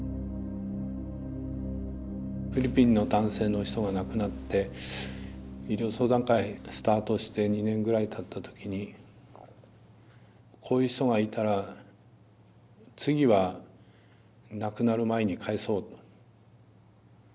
フィリピンの男性の人が亡くなって医療相談会スタートして２年ぐらいたった時にこういう人がいたら次は亡くなる前に帰そうと。